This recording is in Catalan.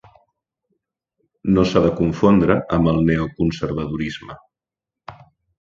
No s'ha de confondre amb el neoconservadorisme.